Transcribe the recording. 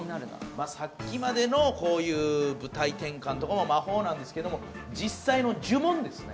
まあさっきまでのこういう舞台転換とかも魔法なんですけど実際の呪文ですね